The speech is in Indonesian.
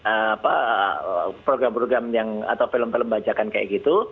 apa program program yang atau film film bajakan kayak gitu